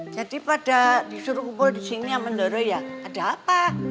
jadi pada disuruh kumpul disini sama doro ya ada apa